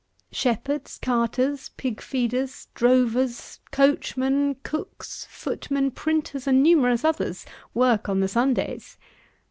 Shepherds, carters, pigfeeders, drovers, coachmen, cooks, footmen, printers, and numerous others, work on the Sundays.